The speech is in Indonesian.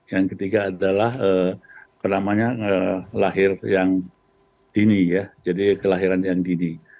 yang ketiga adalah lahir yang dini ya jadi kelahiran yang dini